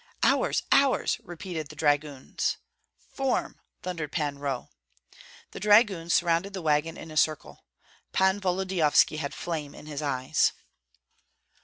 "Ours, ours!" repeated the dragoons. "Form!" thundered Pan Roh. The dragoons surrounded the wagon in a circle. Pan Volodyovski had flame in his eyes.